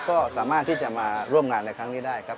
ก็สามารถที่จะมาร่วมงานในครั้งนี้ได้ครับ